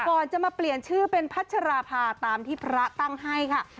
ก่อนจะมาเปลี่ยนชื่อเป็นพัชราภาตามที่พระตั้งให้ค่ะ